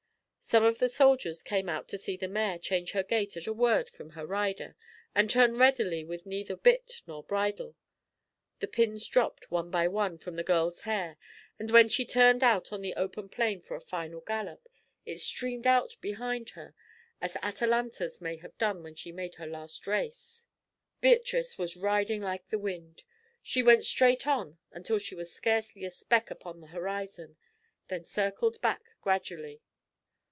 Some of the soldiers came out to see the mare change her gait at a word from her rider, and turn readily with neither bit nor bridle. The pins dropped, one by one, from the girl's hair, and when she turned out on the open plain for a final gallop, it streamed out behind her as Atalanta's may have done when she made her last race. Beatrice was riding like the wind. She went straight on until she was scarcely a speck upon the horizon, then circled back gradually.